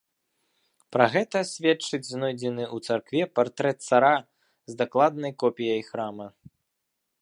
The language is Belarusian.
Пра гэта сведчыць знойдзены ў царкве партрэт цара з дакладнай копіяй храма.